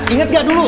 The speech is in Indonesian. inget gak dulu